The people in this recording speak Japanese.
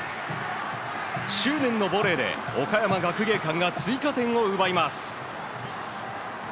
執念のボレーで岡山学芸館が追加点を奪います。